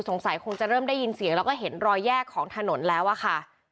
สงสัยคงจะเริ่มได้ยินเสียงแล้วก็เห็นรอยแยกของถนนแล้วอะค่ะ